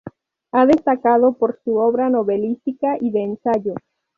Ha destacado por su obra novelística y de ensayo.